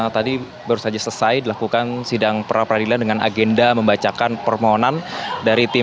tadi baru saja selesai dilakukan sidang pra peradilan dengan agenda membacakan permohonan dari tim